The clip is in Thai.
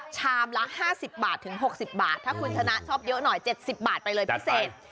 ชามละ๕๐บาทถึง๖๐บาทถ้าคุณชนะชอบเยอะหน่อย๗๐บาทไปเลยพิเศษ